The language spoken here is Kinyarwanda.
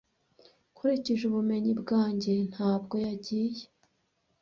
Nkurikije ubumenyi bwanjye, ntabwo yagiye.